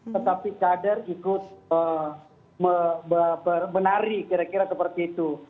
tetapi kader ikut menari kira kira seperti itu